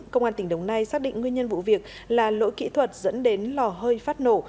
công an tỉnh đồng nai xác định nguyên nhân vụ việc là lỗi kỹ thuật dẫn đến lò hơi phát nổ